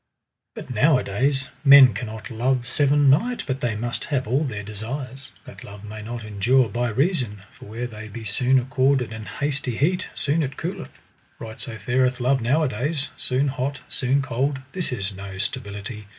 But nowadays men can not love seven night but they must have all their desires: that love may not endure by reason; for where they be soon accorded and hasty heat, soon it cooleth. Right so fareth love nowadays, soon hot soon cold: this is no stability.